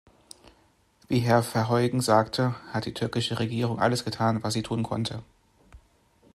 Wie Herr Verheugen sagte, hat die türkische Regierung alles getan, was sie tun konnte.